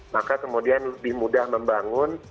maka kemudian lebih mudah membangun